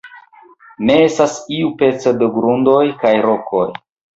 Ne estas iu peco de grundoj kaj rokoj.